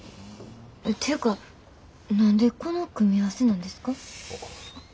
ていうか何でこの組み合わせなんですか？